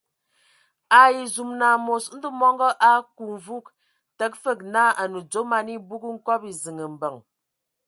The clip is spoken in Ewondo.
Ai zum amos Ndɔ mɔngɔ a aku mvug, təga fəg naa a dzo man ebug nkɔbɔ ziŋ mbəŋ.